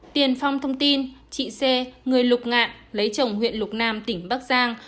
tiền phong thông tin chị xê người lục ngạn lấy chồng huyện lục nam tỉnh bắc giang